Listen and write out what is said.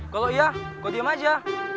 kalau iya kau diem aja